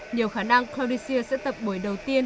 nhiều khả năng claudicea sẽ tập buổi đầu tiên